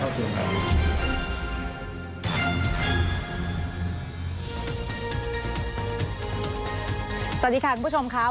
สวัสดีค่ะคุณผู้ชมครับ